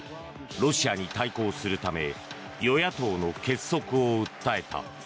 ロシアに対抗するため与野党の結束を訴えた。